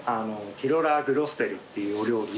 ティロラー・グロステルっていうお料理